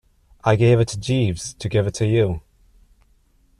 I gave it to Jeeves to give it to you.